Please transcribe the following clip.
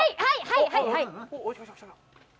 はいはいはい。